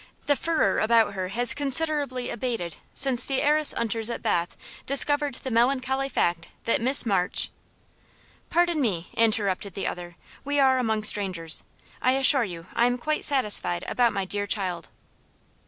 The furore about her has considerably abated since the heiress hunters at Bath discovered the melancholy fact that Miss March " "Pardon me," interrupted the other; "we are among strangers. I assure you I am quite satisfied about my dear child."